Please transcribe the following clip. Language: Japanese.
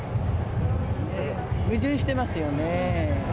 矛盾してますよね。